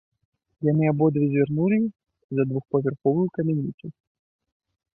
Яны абодва звярнулі за двухпавярховую камяніцу.